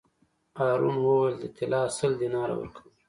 هارون وویل: د طلا سل دیناره ورکووم.